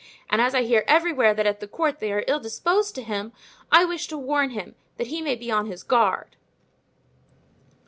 And as I hear everywhere that at the court they are ill disposed to him, I wish to warn him, that he may be on his guard."